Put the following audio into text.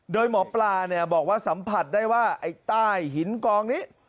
โดยหมอปลาบอกว่าสัมผัสได้ว่าไอ้ใต้หินกองนี้